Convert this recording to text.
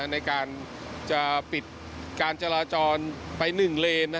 ในการจะปิดการจราจรไป๑เลน